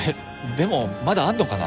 でもまだあんのかな。